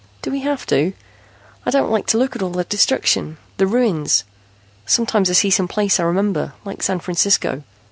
Do we have to? I don't like to look at all the destruction, the ruins. Sometimes I see some place I remember, like San Francisco.